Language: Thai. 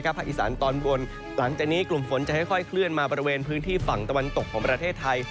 ภาคอีสานตอนบนหลังจากนี้กลุ่มฝนจะค่อยเคลื่อนมาบริเวณพื้นที่ฝั่งตะวันตกของประเทศไทย